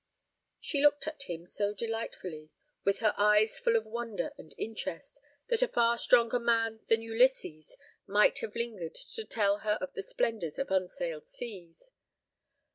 She looked at him so delightfully, with her eyes full of wonder and interest, that a far stronger man than Ulysses might have lingered to tell her of the splendors of unsailed seas.